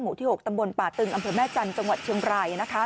ที่๖ตำบลป่าตึงอำเภอแม่จันทร์จังหวัดเชียงราย